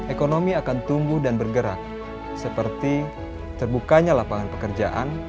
ekonomi akan tumbuh dan bergerak seperti terbukanya lapangan pekerjaan